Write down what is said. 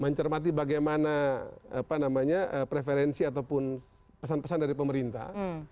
mencermati bagaimana preferensi ataupun pesan pesan dari pemerintah